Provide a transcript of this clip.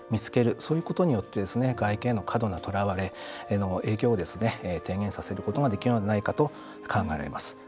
そういうことによって外見への過度なとらわれへの影響を低減させることができるのではないかと考えられます。